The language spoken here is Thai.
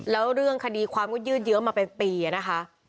แล้วเรื่องคดีความก็ยืดเยอะมาเป็นปีนะคะ